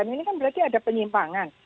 ini kan berarti ada penyimpangan